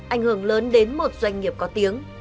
ảnh hưởng lớn đến một doanh nghiệp có tiếng